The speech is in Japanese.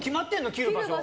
切る場所。